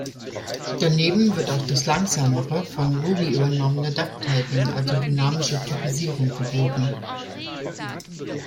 Daneben wird auch das langsamere, von Ruby übernommene Duck-Typing, also dynamische Typisierung geboten.